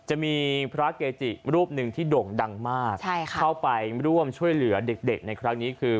จะมีพระเกจิรูปหนึ่งที่โด่งดังมากเข้าไปร่วมช่วยเหลือเด็กในครั้งนี้คือ